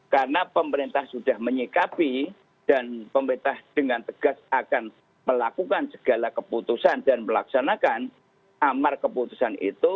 karena pemerintah sudah menyikapi dan pemerintah dengan tegas akan melakukan segala keputusan dan melaksanakan amar keputusan itu